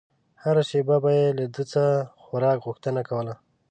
هره شېبه به يې له ده د څه خوراک غوښتنه کوله.